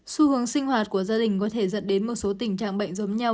xu hướng sinh hoạt của gia đình có thể dẫn đến một số tình trạng bệnh giống nhau